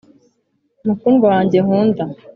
mukundwa wanjye nkunda